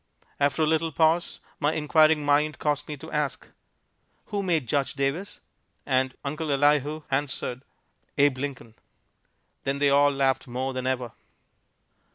After a little pause my inquiring mind caused me to ask, "Who made Judge Davis?" And Uncle Elihu answered, "Abe Lincoln." Then they all laughed more than ever.